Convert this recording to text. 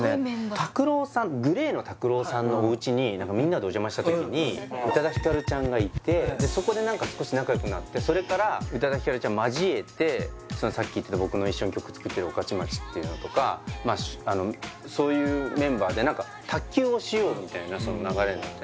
ＴＡＫＵＲＯさんＧＬＡＹのＴＡＫＵＲＯさんのおうちにみんなでお邪魔した時に宇多田ヒカルちゃんがいてそこで何か少し仲良くなってそれから宇多田ヒカルちゃん交えてそのさっき言ってた僕の一緒に曲作ってる御徒町っていうのとかそういうメンバーで何か卓球をしようみたいな流れになってね